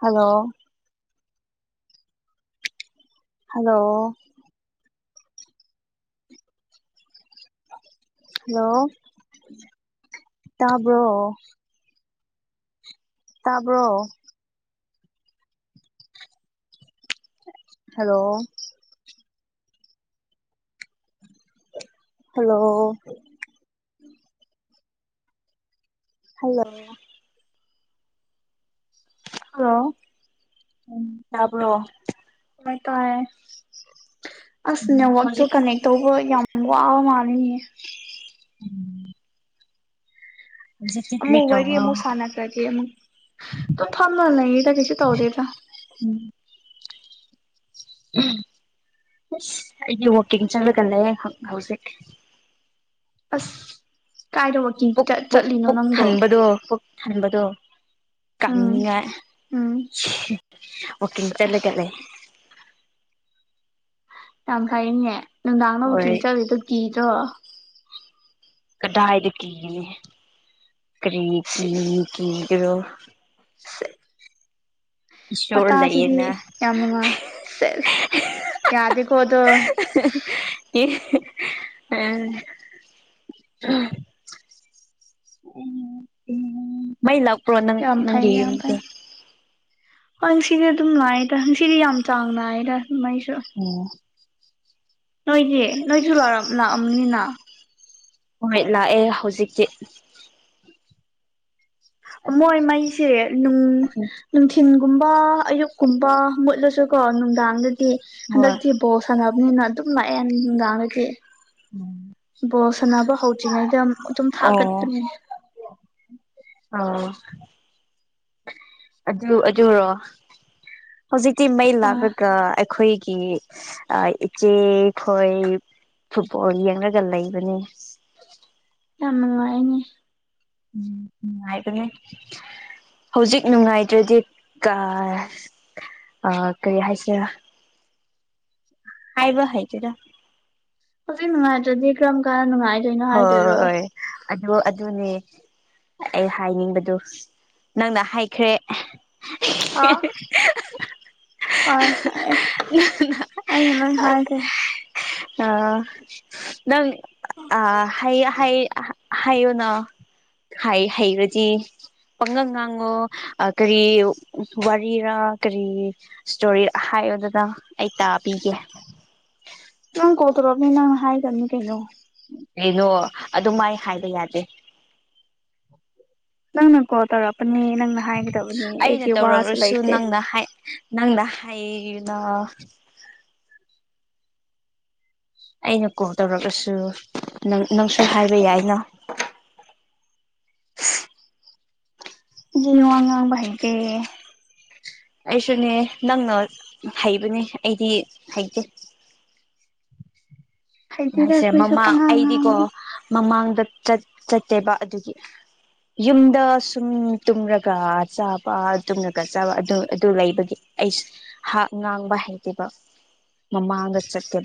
hello hello hello ꯇꯥꯕ꯭ꯔꯣ ꯇꯥꯕ꯭ꯔꯣ hello hello hello hello ꯎꯝ ꯆꯕꯔꯣ ꯀꯥꯏ ꯇꯔꯦ ꯑꯁ ꯎꯝ ꯅꯦꯠꯋꯥꯛꯛꯇꯣ ꯍꯧꯖꯤꯛꯇꯤ ꯀꯅꯦꯛ ꯇꯧꯕ ꯌꯥꯝ ꯋꯥ ꯋꯥꯕ ꯃꯥꯅꯤꯌꯦ ꯎꯝ ꯑꯃꯨꯛ ꯋꯥꯔꯤ ꯇꯧꯕ꯭ꯔꯣ ꯑꯃꯨꯛ ꯁꯥꯟꯅꯈ꯭ꯔꯗꯤꯦ ꯑꯃꯨꯛ ꯇꯨꯡ ꯊꯃ ꯂꯩꯗ ꯀꯁꯨ ꯇꯧꯗꯦꯗ ꯎꯝ ꯑꯁ ꯑꯩꯗꯤ ꯋꯀꯤꯡ ꯆꯪꯂꯉꯒꯅꯦ ꯍꯧꯖꯤꯛ ꯑꯁ ꯀꯥꯏꯗ ꯋꯥꯀꯤꯡ ꯄꯨꯛ ꯄꯨꯛ ꯆꯠꯂꯤꯅꯣ ꯄꯨꯛ ꯅꯪꯕꯨꯣ ꯀꯃꯤꯤꯉ ꯎꯝ ꯑꯣ ꯑꯁ ꯀꯇꯂ ꯑꯁ ꯀꯂꯦ ꯌꯥꯝ ꯐꯩꯅꯦ ꯅꯨꯡꯗꯥꯡ ꯍꯣꯏ ꯅꯕꯨꯨꯛꯀꯤꯡ ꯆꯠꯂꯗꯣ ꯀꯤꯗ꯭ꯔꯣ ꯀꯗꯥꯏꯗ ꯀꯅꯤ ꯀꯔꯤ ꯀ ꯁꯤꯁ ꯀ ꯀꯔꯣ ꯁꯦ ꯋꯥꯇꯥꯁꯤꯗꯤ ꯏꯁꯣꯔꯗꯏꯅ ꯌꯥꯝ ꯅꯨꯡꯉꯥꯏ ꯁꯦꯁ ꯌꯥꯗꯦꯀꯣ ꯑꯗꯣ ꯌꯦ ꯑꯝ ꯎ ꯎ ꯃꯩꯂ ꯄꯨ꯭ꯔꯣ ꯅꯪ ꯌꯥꯝ ꯐꯩ ꯌꯥꯝ ꯐꯩ ꯅꯪꯒꯤꯗꯤ ꯍꯣꯏ ꯁꯤꯗꯤ ꯑꯗꯨꯝ ꯂꯥꯛꯑꯦꯗꯁꯤꯗꯤ ꯌꯥꯝ ꯆꯥꯡ ꯅꯥꯏꯗ ꯑꯣ ꯅꯣꯏꯗꯤ ꯅꯣꯏꯁꯨ ꯂꯥꯛꯑꯝꯅꯤꯅ ꯍꯣꯏ ꯂꯥꯛꯑꯦ ꯍꯧꯖꯤꯛꯇꯤ ꯃꯣꯏ ꯃꯩꯁꯦ ꯅꯨꯡ ꯅꯨꯡꯊꯤꯤꯟ ꯨꯝꯕ ꯑꯌꯨꯛꯀꯨꯝꯕ ꯃꯨꯠꯂꯁꯨ ꯀꯣ ꯅꯨꯡꯗꯥꯡꯗꯗꯤ ꯍꯣꯏ ꯍꯟꯗꯛꯇꯤ ꯕꯣ ꯁꯪꯉꯅꯕ ꯅ ꯑꯗꯨꯝ ꯂꯌꯦꯟꯗꯥꯉ ꯕꯣꯜ ꯁꯥꯟꯅꯕ ꯍꯧꯗ꯭ꯔꯤꯉꯩꯗ ꯑꯗꯨꯝ ꯊꯥꯒꯠꯄꯅꯦ ꯑꯥ ꯑꯗꯨ ꯑꯗꯨꯔꯣ ꯍꯧꯖꯤꯛꯇꯤ ꯃꯩ ꯑ ꯂꯥꯛꯂꯒ ꯑꯩꯈꯣꯏ ꯆ ꯍꯣꯏ ꯐꯨꯠꯕꯣꯜ ꯌꯦꯡꯂꯡꯒ ꯂꯩꯕꯅꯤ ꯌꯥꯝ ꯅꯨꯡꯉꯥꯏꯅꯦ ꯎꯝ ꯎ ꯍꯥꯏꯗꯅꯦꯅꯤ ꯍꯧꯖꯤꯛ ꯅꯨꯡꯉꯥꯏꯇ꯭ꯔꯗꯤ ꯀꯔꯤ ꯍꯥꯏꯁꯤꯔꯥ ꯍꯥꯏꯥꯏꯕ ꯍꯥꯏꯩꯆꯦꯔ ꯍꯧꯖꯤꯛ ꯅꯨꯡꯉꯥꯏꯇ꯭ꯔꯗꯤ ꯀ꯭ꯔꯔꯝ ꯀꯥꯟ ꯅꯨꯡꯉꯥꯏꯗꯣꯏꯅꯣ ꯍꯥꯏꯗꯣꯏꯔꯣ ꯍꯣꯏ ꯑꯗꯨ ꯑꯗꯨꯅꯦ ꯑꯩ ꯍꯥꯏꯅꯤꯡꯕꯗꯨ ꯅꯪꯅ ꯍꯥꯏꯈ꯭ꯔꯦ ꯍꯥ ꯍ ꯑꯩꯩꯅ ꯂꯣꯏ ꯍꯥꯏꯁꯦ ꯑ ꯅꯪ ꯑ ꯍꯥꯏꯌꯣꯅ ꯍꯩꯔꯗꯤ ꯄꯥꯡꯉꯪ ꯉꯥꯡꯉꯣ ꯀꯔꯤ ꯋꯥꯔꯤꯔꯥ ꯀꯔꯤ ꯏꯁꯇꯣꯔꯤ ꯍꯥꯏ ꯑꯗꯨꯗ ꯑꯩ ꯇꯥ ꯄꯒꯦ ꯅꯪ ꯀꯧꯗꯕꯝ ꯅꯪ ꯍꯥꯏ ꯇ ꯀꯩꯅꯣ ꯀꯩꯅꯣ ꯑꯗꯨꯃꯥꯏ ꯍꯥꯏꯕ ꯌꯥꯗꯦ ꯅꯪꯅ ꯀꯣꯜ ꯇꯧꯔꯛꯄꯅꯦ ꯅꯪꯅ ꯍꯥꯏꯒꯗꯕꯅꯤ ꯑꯩꯗꯤ ꯋꯥꯁꯨ ꯂꯩꯇꯦ ꯅꯪꯗ ꯍꯥꯏꯗ ꯑꯩꯅ ꯀꯣꯜ ꯇꯧꯔꯒꯁꯨ ꯅꯪꯁꯨ ꯍꯥꯏꯕ ꯌꯥꯏꯅ [unintelligible] ꯑꯉꯥꯡ ꯥꯏꯗꯦ ꯑꯩꯁꯨꯅꯦ ꯅꯪꯅ ꯍꯩꯕꯅꯦ ꯑꯩꯗꯤ ꯍꯩꯇꯦ ꯍꯩꯇꯦꯗ ꯍꯥꯏꯁꯦ ꯑꯩꯈꯣꯏꯁꯨ ꯃꯃꯥꯡ ꯄꯪꯉꯥꯡ ꯑꯩꯗꯤꯀꯣ ꯉꯥꯡꯕꯅꯦ ꯃꯃꯥꯡꯗ ꯆꯠꯇꯦꯕ ꯑꯗꯨꯒꯤ ꯌꯨꯝꯗ ꯁꯨꯝ ꯇꯨꯝꯂꯒ ꯆꯥꯕ ꯇꯨꯝꯉꯒ ꯆꯥꯕ ꯑꯗꯨ ꯑꯗꯨ ꯂꯩꯕꯒꯤ ꯑꯩꯁꯥꯛ ꯉꯥꯡꯕ ꯍꯩꯇꯦꯕ ꯃꯃꯒ ꯆꯀꯦ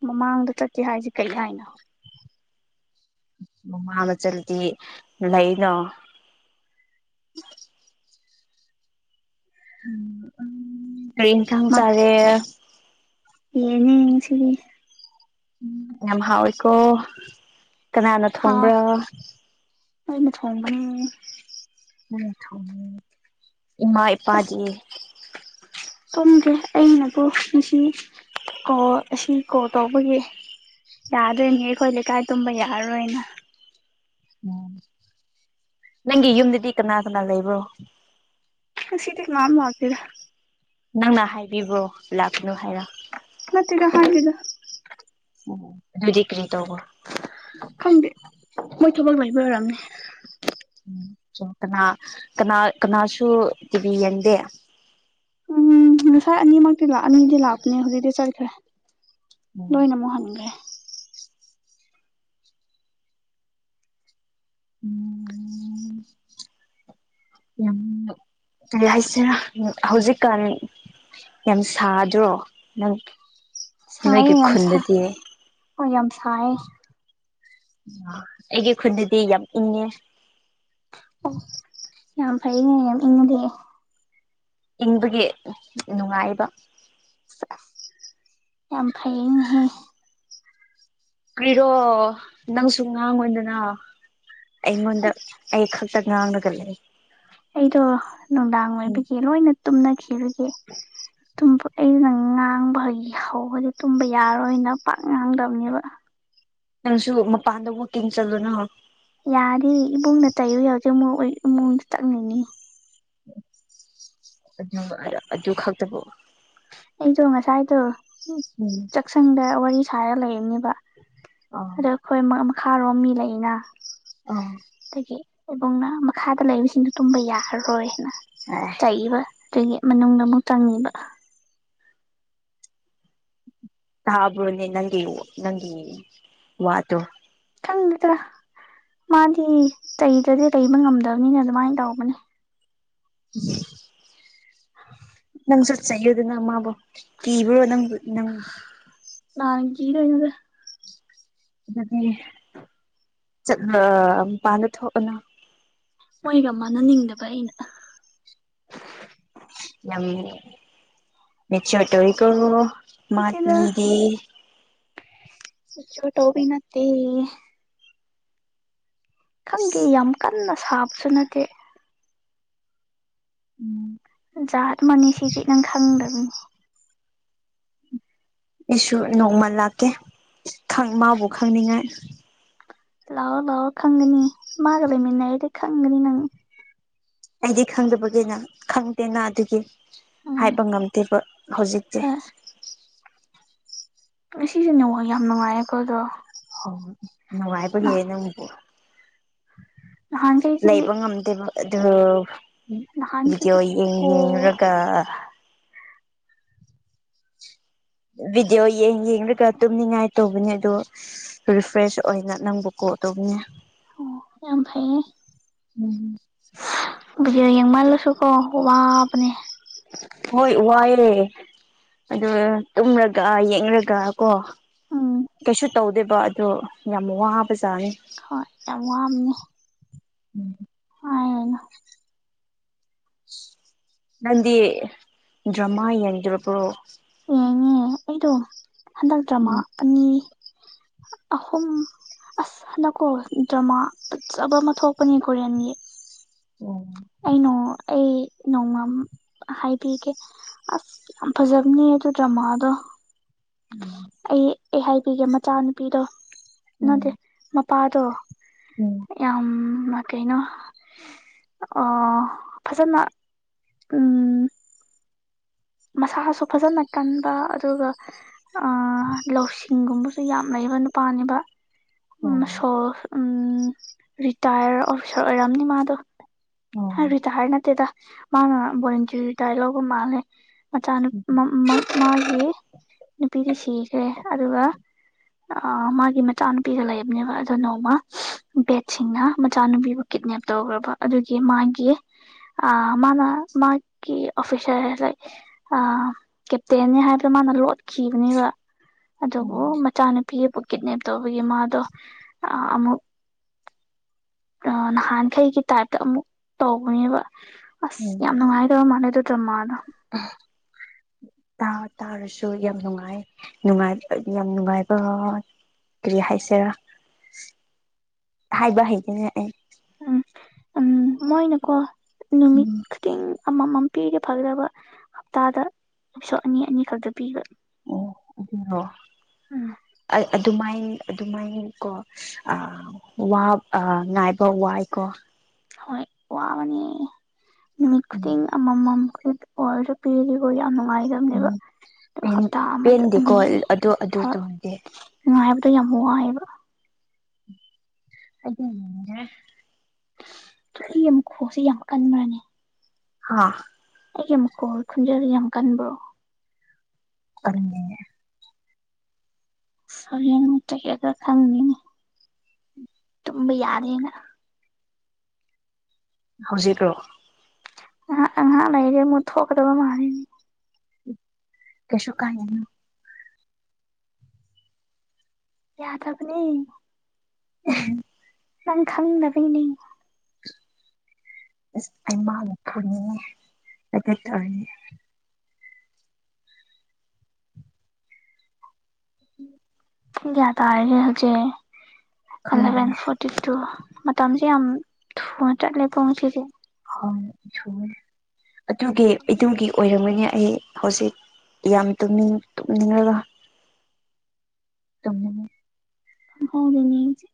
ꯃꯃꯥꯡꯗ ꯆꯠꯀꯦ ꯍꯥꯏꯁꯦ ꯀꯔꯤ ꯍꯥꯏꯅꯣ ꯃꯃꯥ ꯃ ꯆꯠꯗꯤ ꯂꯩꯅꯣ ꯔꯤ ꯊꯥꯡ ꯆꯔꯦ ꯍꯅ ꯁꯤꯔꯤ ꯎꯝ ꯌꯥꯝ ꯍꯥꯎꯋꯏꯀꯣ ꯀꯅꯥꯅ ꯊꯣꯡꯕ꯭ꯔꯥ ꯑꯩꯅ ꯊꯣꯡꯕꯅꯤ ꯎ ꯊ ꯏꯃꯥ ꯏꯄꯥꯖꯤ ꯇꯨꯝꯒꯦ ꯑꯩꯅꯕꯨ ꯉꯁꯤ ꯀꯣ ꯑꯁꯤ ꯀꯣꯜ ꯇꯧꯕꯒꯤ ꯌꯥꯗꯣꯏꯅꯦ ꯑꯩꯈꯣꯏ ꯂꯩꯀꯥꯏ ꯇꯨꯝꯕ ꯌꯥꯔꯔꯣꯏꯅ ꯎꯝ ꯅꯪꯒꯤ ꯌꯨꯝꯗꯗꯤ ꯀꯅꯥ ꯀꯅꯥ ꯂꯩꯕ꯭ꯔꯣ ꯁꯤꯇꯤꯦꯛ ꯃꯥꯃ ꯍꯥꯥꯛꯇꯗ ꯅꯪꯅ ꯍꯥꯏꯕꯤꯕ꯭ꯔꯣ ꯂꯥꯛꯄꯅꯨ ꯍꯥꯏꯔ ꯃꯒ ꯍꯒ ꯎꯝ ꯑꯗꯨꯖꯤ ꯀꯔꯤ ꯇꯧꯕꯣ ꯈꯪꯗꯦ ꯃꯣꯏ ꯊꯃꯛ ꯂꯥꯛ ꯑꯔꯝꯅꯤ ꯎꯝ ꯀꯅꯥ ꯀꯅꯥ ꯀꯅꯥꯁꯨ ꯇꯤꯚꯤ ꯌꯦꯡꯗꯦ ꯎꯝ ꯉꯁꯥꯏ ꯑꯅꯤꯃꯛꯇꯤ ꯂꯥꯛꯑꯅꯤꯗꯤ ꯂꯥꯛꯄꯅꯦ ꯍꯧꯖꯤꯛꯇꯤ ꯆꯠꯈ꯭ꯔꯦ ꯎꯝ ꯂꯣꯏꯅ ꯑꯃꯨꯛ ꯍꯟꯈ꯭ꯔꯦ ꯎꯝ ꯎ ꯀꯔꯤ ꯍꯥꯏꯁꯤꯔꯥ ꯍꯧꯖꯤꯛꯀꯥꯟ ꯌꯥꯝ ꯁꯥꯗ꯭ꯔꯣ ꯅꯪ ꯁꯥꯏꯌꯦ ꯅꯣꯏꯒꯤ ꯌꯥꯝ ꯁꯥ ꯈꯨꯟꯗꯗꯤ ꯍ ꯌꯥꯝ ꯁꯥꯏꯌꯦ ꯑꯩꯒꯤ ꯈꯨꯟꯗꯗꯤ ꯌꯥꯝ ꯏꯪꯉꯦ ꯑꯣ ꯌꯥꯝ ꯐꯩꯅꯦ ꯌꯥꯝ ꯏꯉꯗꯤ ꯏꯪꯕꯒꯤ ꯅꯨꯡꯉꯥꯏꯕ ꯌꯥꯝ ꯐꯩꯅꯦꯍ ꯀꯔꯤꯔꯣ ꯅꯪꯁꯨ ꯉꯥꯡꯉꯣꯏꯗꯅ ꯑꯩꯉꯣꯟꯗ ꯑꯩ ꯉꯥꯡꯅꯒ ꯂꯩ ꯑꯩꯗꯣ ꯅꯨꯡꯗꯥꯡ ꯎꯝ ꯑꯣꯏꯕꯒꯤ ꯂꯣꯏꯅ ꯇꯨꯝꯅꯈꯤꯕꯒꯤ ꯑꯗꯨꯨꯝ ꯑꯩꯩꯅ ꯉꯥꯡꯕ ꯑꯩꯒꯤ ꯍꯧꯕꯗꯤ ꯇꯨꯝꯕ ꯌꯥꯔꯣꯏꯅ ꯄꯥꯛ ꯉꯥꯡꯗꯕꯅꯦꯕ ꯅꯪꯁꯨ ꯃꯄꯥꯟꯗ ꯑꯃꯨꯛ ꯇꯤꯡ ꯆꯠꯂꯨꯅ ꯌꯥꯔꯤ ꯏꯃꯨꯡꯗ ꯇꯥꯏꯌꯨ ꯌꯥꯎꯗꯦ ꯏꯃꯨꯡꯗ ꯆꯪꯅꯤꯡꯅꯤ ꯑꯨ ꯈꯥꯛꯇꯕꯣ ꯑꯩꯗꯣ ꯉꯁꯥꯏꯗꯣ ꯎꯝ ꯆꯥꯛꯁꯪꯗ ꯋꯥꯔꯤ ꯁꯥꯔꯒ ꯂꯩꯕꯅꯦꯕ ꯑ ꯑꯗ ꯑꯩꯈꯣꯏ ꯃꯈꯥꯔꯣꯝ ꯃꯤ ꯂꯩꯅ ꯑꯥ ꯑꯗꯒꯤ ꯏꯕꯨꯡꯅ ꯃꯈꯥꯗ ꯂꯩꯕꯁꯤꯡꯗꯨ ꯇꯨꯝꯕ ꯌꯥꯔꯔꯣꯏ ꯍꯥꯏꯅ ꯑꯦ ꯆꯩꯕ ꯑꯗꯒꯤ ꯃꯅꯨꯡꯗ ꯑꯃꯨꯛ ꯆꯪꯉꯕ ꯇꯕ꯭ꯔꯣꯅꯦ ꯅꯪꯒꯤ ꯅꯪꯒꯤ ꯋꯥꯇꯣ ꯈꯪꯒꯗ꯭ꯔꯥ ꯃꯥꯗꯤ ꯆꯩꯗ꯭ꯔꯗꯤ ꯂꯩꯕ ꯉꯝꯗꯕꯅꯤꯅ ꯑꯗꯨꯃꯥꯏꯅ ꯇꯧꯕꯅꯦ ꯎ ꯍ ꯄꯪ ꯆꯠꯆꯈꯤꯕ ꯑꯗꯨꯅ ꯑꯃꯕꯨꯣ ꯀꯤꯕ꯭ꯔꯣ ꯅꯪ ꯅꯪ ꯅꯥꯟ ꯀꯤꯗ ꯑꯣꯏꯅꯗꯦ ꯑꯗꯨꯗꯒꯤ ꯆꯠꯂ ꯄꯥꯗ ꯊꯣꯛꯑꯅ ꯃꯣꯏꯒ ꯃꯥꯟꯅꯅꯤꯡꯗꯕ ꯑꯩꯅ ꯌꯥꯝ ꯃꯦꯆꯇ ꯑꯣꯏꯔꯤ ꯀꯉꯣ ꯅꯠꯇꯦꯗ ꯃꯥꯠꯅꯤꯔꯤ ꯆꯣ ꯇꯣꯕꯤ ꯅꯠꯇꯗꯤ ꯈꯪꯗꯦ ꯌꯥꯝ ꯀꯟꯅ ꯁꯥꯕꯁꯨ ꯅꯠꯇꯦ ꯖꯥꯠ ꯃꯅꯤꯁꯤꯗꯤ ꯅꯪ ꯈꯪꯗꯕꯅꯤ ꯑꯩꯁꯨ ꯅꯣꯡꯃꯜ ꯂꯥꯛꯀꯦ ꯃꯥꯕꯨ ꯈꯪꯅꯤꯡꯉꯥꯏ ꯂꯑꯣ ꯂꯑꯣ ꯈꯪꯅꯤ ꯃꯥꯒ ꯂꯩ ꯃꯤꯅꯗꯤ ꯈꯪꯒꯅꯤ ꯅꯪ ꯑꯩꯗꯤ ꯈꯪꯗꯕꯒꯤꯅ ꯈꯪꯗꯦꯅ ꯑꯗꯨꯒꯤ ꯎꯝ ꯍꯥꯏꯕ ꯉꯝꯗ꯭ꯔꯤꯕ ꯍꯧꯖꯤꯛꯇꯤ ꯁꯤꯁꯦꯅꯦꯉꯣ ꯌꯥꯝ ꯅꯨꯡꯉꯥꯏꯌꯦꯦꯀꯣꯗ꯭ꯔꯣ ꯑꯣ ꯅꯨꯡꯉꯥꯏꯕ ꯍꯦ ꯅꯪꯕꯨ ꯅꯍꯥꯟꯈꯩꯗꯤ ꯂꯩꯕ ꯉꯝꯗꯦꯕ ꯑꯗꯨ ꯅꯍꯥꯟꯈꯩꯗꯤ ꯚꯤꯗꯤꯑꯣ ꯀꯣ ꯌꯦꯡꯔꯒ ꯚꯗꯤꯑꯣ ꯌꯦꯡ ꯌꯦꯡꯂꯡꯒ ꯇꯨꯝꯅꯤꯡꯉꯥꯏ ꯇꯧꯕꯅꯦ ꯑꯗꯨꯗꯣ ꯔꯤꯐ꯭ꯔꯦꯁ ꯑꯣꯏꯅ ꯅꯪꯕꯨꯀꯣ ꯇꯕꯅꯤꯅꯦ ꯑꯣ ꯑꯐ ꯎꯝ ꯕꯤꯗꯤꯑꯣ ꯌꯦꯡꯃꯜꯂꯨꯁꯨ ꯀꯣ ꯋꯥꯕꯅꯦ ꯍꯣꯏ ꯋꯥꯏꯑꯦ ꯑꯗꯨ ꯇꯨꯝꯔꯒ ꯌꯦꯡꯉꯒ ꯀꯣ ꯎꯝ ꯀꯩꯁꯨ ꯇꯧꯗꯦꯕ ꯑꯗꯣ ꯌꯥꯝ ꯋꯥꯕ ꯍꯣꯏ ꯑꯃ ꯑꯝꯅꯤ ꯅꯗꯤ ꯗ꯭ꯔꯃꯥ ꯌꯦꯡꯗ꯭ꯔꯣ ꯄꯨ꯭ꯔꯣ ꯌꯦꯡꯉꯦ ꯑꯩꯗꯣ ꯍꯟꯗꯛꯇ꯭ꯔ ꯃꯥ ꯑꯅꯤ [inaudible] ꯑꯍꯨꯝ ꯑꯁ ꯅꯀꯣ ꯗ꯭ꯔꯃꯥ ꯐꯖꯕ ꯑꯃ ꯊꯣꯛꯄꯅꯦ ꯀꯣꯔꯤꯟꯒꯤ ꯎꯝ ꯑꯩꯩꯅ ꯑꯩ ꯅꯣꯡꯃ ꯍꯥꯏꯕꯤꯒꯦ ꯑꯁ ꯌꯥꯝ ꯐꯖꯕꯅꯦ ꯁꯨ ꯃꯥꯗ ꯎ ꯑꯩ ꯍꯥꯏꯕꯤꯒꯦ ꯃꯆꯥꯅꯨꯄꯤꯗꯣ ꯎꯝ ꯄꯥꯗꯣ ꯎꯝ ꯌꯥꯝ ꯀꯩꯅꯣ ꯑꯣ ꯐꯖꯅ ꯎꯝ ꯃꯁꯥꯁꯨ ꯐꯖꯅ ꯀꯟꯕ ꯑꯗꯨꯒ ꯑ ꯂꯧꯁꯤ ꯆꯤꯡꯒꯨꯝꯕꯁꯨ ꯌꯥꯝ ꯂꯩꯕ ꯅꯨꯄꯥꯅꯤꯕ ꯑꯣ ꯃꯁꯣ ꯎꯝ ꯔꯤꯇꯥꯌꯔ ꯑꯣꯐꯤꯁꯥꯔ ꯑꯣꯏꯔꯝꯅꯤ ꯃꯥꯗꯣ ꯑꯣ ꯔꯤꯇꯥꯌꯔ ꯅꯠꯇꯦꯗ ꯃꯥꯅ ꯖ ꯇꯥꯏꯂꯒꯣ ꯃꯥꯅꯦꯦ ꯃꯆꯥ ꯃꯥꯒꯤ ꯅꯨꯄꯤꯗꯤ ꯁꯤꯈ꯭ꯔꯦ ꯑꯗꯨꯒ ꯑ ꯃꯥꯒꯤ ꯃꯆꯥꯅꯨꯄꯤꯒ ꯂꯩꯕꯅꯦꯕ ꯑ ꯅꯣꯡꯃ ꯕꯦꯠꯁꯤꯡꯅ ꯃꯆꯥꯅꯨꯄꯤꯒ ꯀꯤꯠꯅꯦꯞ ꯇꯧꯈ꯭ꯔꯕ ꯑꯗꯨꯒꯤ ꯃꯥꯒꯤ ꯑ ꯃꯥꯅ ꯃꯥꯒꯤ ꯑꯣꯐꯤꯁꯔ ꯂꯥꯏꯛ ꯑ ꯀꯦꯞꯇꯦꯅꯤ ꯍꯥꯏꯕ꯭ꯔ ꯃꯥꯅ ꯂꯣꯠꯈꯤꯕꯅꯦꯕ ꯑꯗꯨꯕꯨ ꯎꯝ ꯃꯆꯥꯅꯨꯄꯤꯒꯕꯨ ꯀꯤꯠꯅꯦꯞ ꯇꯧꯕꯒꯤ ꯃꯥꯗꯣ ꯑꯃꯨꯛ ꯑ ꯅꯍꯥꯟꯈꯩꯒꯤ ꯇꯥꯏꯞꯇ ꯑꯃꯨꯛ ꯇꯧꯕꯅꯦꯕ ꯑꯁ ꯎꯝ ꯌꯥꯝ ꯅꯨꯡꯉꯥꯏꯗꯕ ꯃꯥꯟꯅꯩꯗ ꯗ꯭ꯔꯃꯥꯗꯣ ꯇꯥꯔꯁꯨ ꯌꯥꯝ ꯅꯨꯡꯉꯥꯏꯉꯥꯏ ꯌꯥꯝ ꯅꯨꯡꯉꯥꯏꯕ ꯀꯔꯤ ꯍꯥꯏꯁꯤꯦꯔꯥ ꯍꯥꯏꯕ ꯍꯩꯗꯨꯅꯦ ꯑꯩ ꯎꯝ ꯎꯝ ꯃꯣꯏꯅꯀꯣ ꯅꯨꯃꯤꯠ ꯎꯝ ꯈꯨꯗꯤꯡ ꯑꯃꯃꯝ ꯄꯤꯒꯦ ꯐꯒꯗꯕ ꯍꯞꯇꯥꯗ ꯄꯁꯣ ꯑꯅꯤ ꯑꯅꯤꯈꯛꯇ ꯄꯤꯒ꯭ꯔ ꯑꯣ ꯑꯗꯨ ꯎꯝ ꯑ ꯑꯗꯨꯃꯥꯏꯅ ꯑꯗꯨꯃꯥꯏꯅ ꯀꯣ ꯉꯥꯏꯕ ꯋꯥꯏꯀꯣ ꯍꯣꯏ ꯄꯋꯥ ꯃꯅꯤ ꯅꯨꯃꯤꯠ ꯈꯨꯗꯤꯡ ꯎꯝ ꯑꯃ ꯃꯝ ꯈꯗꯤ ꯑꯣꯔ ꯄꯤꯔꯤ ꯑꯅ ꯉꯥꯏꯕꯅꯦꯕ ꯑ ꯍꯇꯥ ꯑꯃꯗ ꯄꯦꯟꯗꯦꯀꯣ ꯑꯅꯤ ꯑꯗꯨ ꯑꯗꯨ ꯑꯅꯤꯅꯨꯡ ꯇꯧꯔꯗꯤ ꯑ ꯌꯥꯝ ꯋꯥ ꯋꯥꯑꯦꯕ ꯑꯗꯨ ꯇꯨꯂ ꯑꯃꯨꯛ ꯈꯣꯁꯤꯦ ꯌꯥꯝ ꯀꯟꯕ꯭ꯔꯅꯤ ꯑꯥ ꯑꯩꯒꯤ ꯑꯃꯨꯛꯀꯣ ꯈꯨꯟꯖ ꯌꯥꯝ ꯀꯟꯕ꯭ꯔꯣ ꯐꯉꯦ ꯁ ꯃꯇ ꯀꯒ ꯈꯝꯅꯤ ꯇꯨꯝ ꯌꯥꯔꯦꯅ ꯍꯧꯖꯤꯛ꯭ꯔꯣ ꯍ ꯑꯍꯥꯟ ꯂꯩꯁꯦ ꯑꯃꯨꯛ ꯊꯣꯛꯀꯗꯕ ꯃꯥꯜꯂꯤꯅꯤ ꯀꯁꯨ ꯀꯥꯏ ꯌꯥꯊꯕꯅꯤ ꯎ ꯅꯪ ꯈꯥꯡꯪꯅ ꯄꯅꯦ ꯃꯄꯨꯔꯅꯤ ꯂꯩ ꯇꯔ ꯎꯝ ꯌꯥ ꯇ ꯑꯔꯤꯁꯦ ꯈꯪꯗꯦ ꯑꯦꯂꯚꯦꯟ ꯐꯣꯔꯇ ꯇꯨ ꯃꯇꯝꯁꯦ ꯌꯥꯝ ꯊꯨꯅ ꯆꯠꯂꯦ ꯄꯨꯡꯁꯤꯁꯦ ꯑꯗꯨꯒꯤ ꯑꯗꯨꯒꯤ ꯑꯣꯏꯔꯝꯒꯅꯤ ꯑꯩ ꯍꯧꯖꯤꯛ ꯌꯥꯝꯅꯤꯡ ꯇꯨꯝꯅꯤꯡꯉꯒ ꯇꯝ ꯍꯥꯎꯗꯅꯤ ꯍꯧꯁꯤ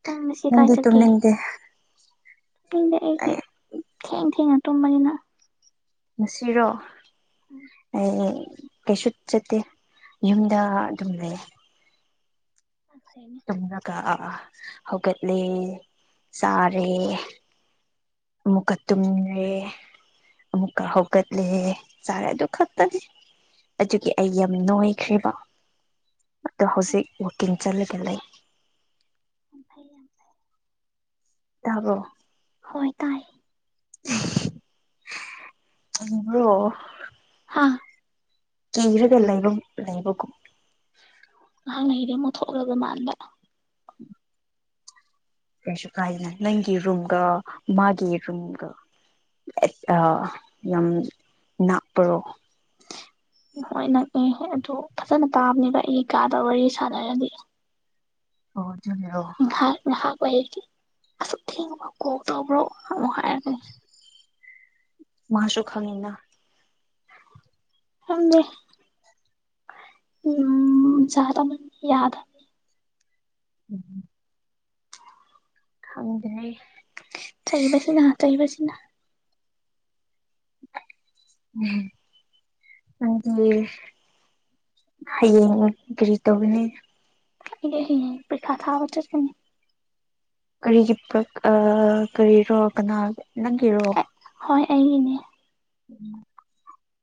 ꯅꯗ ꯇꯅꯦꯟ ꯗ ꯑꯩꯗꯤ ꯊꯦꯡ ꯊꯦꯡꯅ ꯇꯨꯝꯕꯅꯤꯅ ꯉꯅꯨꯡꯁꯤꯔꯣ ꯑꯩ ꯀꯩꯁꯨ ꯆꯠꯇꯦ ꯌꯨꯝꯗ ꯑꯗꯨꯝ ꯂꯩ ꯑ ꯐ ꯆꯨꯝꯂꯒ ꯍꯧꯒꯠꯂꯦ ꯆꯥꯔꯦ ꯑꯃꯨꯛꯀ ꯇꯨꯝꯂꯦ ꯑꯃ ꯑꯃꯨꯀ ꯍꯒꯠ ꯂꯩ ꯆꯥꯔꯦ ꯗꯨꯈ ꯇꯅꯦ ꯑꯗꯨꯒꯤ ꯑꯩ ꯌꯥꯝ ꯅꯨꯡꯉꯥꯏꯈ꯭ꯔꯦꯔꯤꯕ ꯑꯗꯣ ꯍꯧꯖꯤꯛ ꯋꯀꯤꯡ ꯆꯠꯂꯒ ꯂꯩ ꯉꯐꯥꯏ ꯇꯕꯣ ꯍꯣꯏ ꯇꯥꯏ ꯑꯗꯨ꯭ꯔꯣ ꯑ ꯀꯔꯒ ꯂꯩꯕꯨꯝ ꯂꯩꯕꯒꯨꯝ ꯅꯍꯥꯛꯅ ꯍꯔ ꯑꯃꯨꯛ ꯊꯣꯛꯣꯛꯂꯕ ꯃꯥꯟꯕ ꯎꯝ ꯀꯩꯁꯨ ꯀꯥꯏꯗꯅ ꯅꯪꯒꯤ ꯔꯨꯝꯒ ꯃꯥꯒꯤ ꯔꯨꯝꯒ ꯌꯥꯝ ꯅꯥꯞꯄꯔꯣ ꯍꯣꯏ ꯅꯛꯑ ꯑꯗꯨ ꯐꯖꯅ ꯇꯥꯕꯅꯤꯕ ꯑꯩ ꯀꯥꯗ ꯋꯥꯔꯤ ꯁꯥꯟꯅꯔꯗꯤ ꯑꯣꯖꯅꯦꯔꯣ ꯑꯣꯏ ꯑꯁꯨꯛ ꯊꯦꯡꯉꯕꯣ ꯀꯣꯛ ꯇꯧꯕ꯭ꯔꯣ ꯑꯃꯨꯛ ꯍꯥꯏꯔꯒ ꯃꯥꯁꯨꯛ ꯍꯅꯤꯅꯥ ꯊꯃꯦ ꯎꯝ ꯗ ꯃꯅꯤ ꯌꯥꯗ ꯎꯝ ꯍꯗꯦ ꯆꯩꯕꯁꯤꯅ ꯆꯩꯕꯁꯤꯅ ꯎꯝ ꯑꯗꯨ ꯍꯌꯦꯡ ꯀꯔꯤ ꯇꯧꯒꯅꯤ ꯌ ꯄꯤꯥ ꯊꯥꯕ ꯆꯅꯤ ꯀꯔꯤꯒꯤ ꯄ ꯀꯔꯤꯔꯣ ꯀꯅꯥ ꯅꯪꯒꯤꯔꯣ ꯑꯩꯅꯦ ꯎꯝ